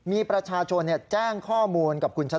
มีประชาชนแจ้งข้อมูลกับคุณชัด